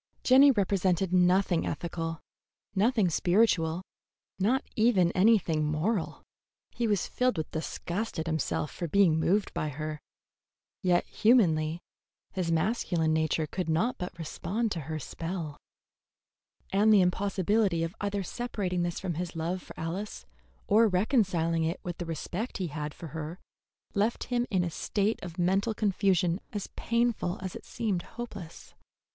Jenny represented nothing ethical, nothing spiritual, not even anything moral. He was filled with disgust at himself for being moved by her, yet humanly his masculine nature could not but respond to her spell; and the impossibility of either separating this from his love for Alice or reconciling it with the respect he had for her left him in a state of mental confusion as painful as it seemed hopeless.